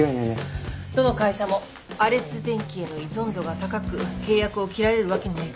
どの会社もアレス電機への依存度が高く契約を切られるわけにもいかない。